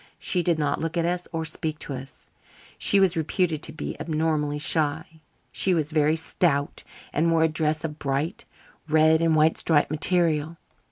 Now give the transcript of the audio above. She did not look at us or speak to us. She was reputed to be abnormally shy. She was very stout and wore a dress of bright red and white striped material.